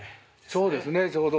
そうですねちょうどね。